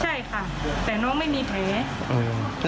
ใช่ค่ะแต่น้องไม่มีแผล